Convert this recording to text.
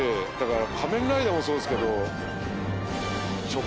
仮面ライダーもそうですけど。